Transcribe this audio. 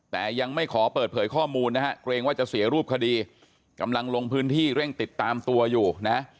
แต่ยังไม่ขอเปิดเผยข้อมูลนะฮะเกรงว่าจะเสียรูปคดีกำลังลงพื้นที่เร่งติดตามตัวอยู่นะ